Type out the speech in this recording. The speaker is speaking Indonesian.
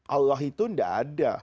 allah itu enggak ada